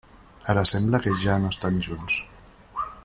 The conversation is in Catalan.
Ara sembla que ja no estan junts.